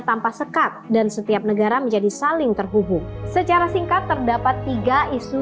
tanpa sekat dan setiap negara menjadi saling terhubung secara singkat terdapat tiga isu